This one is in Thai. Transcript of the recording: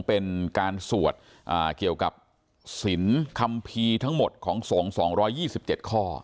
เป็นการสววษเกี่ยวกับสินคัมภีร์ทั้งหมดของทรง๒๒๗ข